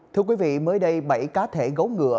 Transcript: thưa quý vị mới đây bảy cá thể gấu ngựa